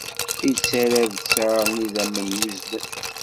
Ittarra-d ttar n yidammen yuzzlen.